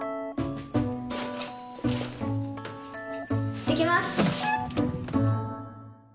行ってきます！